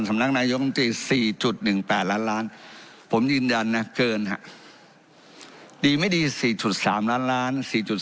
สำนักนายที่๔๑๘ล้านล้านผมยืนยันเกินดีมั้ยดี๔๓ล้านล้าน๔๔๔๕